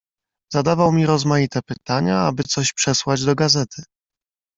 "Zadawał mi rozmaite pytania, aby coś przesłać do gazety."